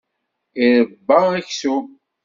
Iṛebba aksum.